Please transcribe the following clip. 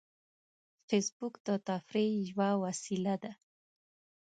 فېسبوک د تفریح یوه وسیله ده